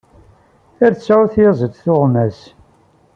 Ar tesɛu tyaziḍt tuɣmas!